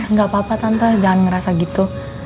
nggak apa apa tante jangan ngerasa gitu